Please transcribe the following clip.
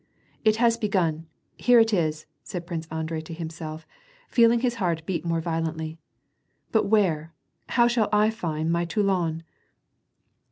" It has begun ! Here it is !" said Prince Andrei to himself, feeling his heart beat more violently. "But where — how shall I find my Toulon